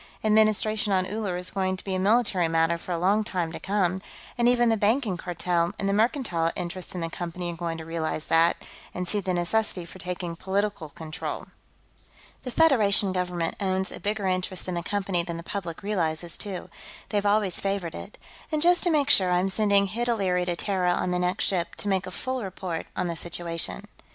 "Administration on Uller is going to be a military matter for a long time to come, and even the Banking Cartel and the mercantile interests in the Company are going to realize that, and see the necessity for taking political control. The Federation Government owns a bigger interest in the Company than the public realizes, too; they've always favored it. And just to make sure, I'm sending Hid O'Leary to Terra on the next ship, to make a full report on the situation."